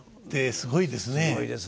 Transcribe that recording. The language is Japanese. すごいですね。